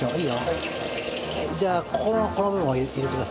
じゃあここのこの部分を入れてください。